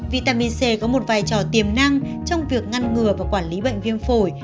vitamin c có một vai trò tiềm năng trong việc ngăn ngừa và quản lý bệnh viêm phổi